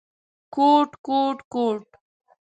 _کوټ، کوټ ، کوټ…